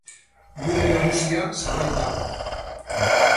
Gune nagusia zabalik dago.